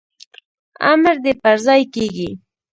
امر دي پرځای کیږي